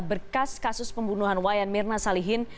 berkas kasus pembunuhan wayan mirna salihin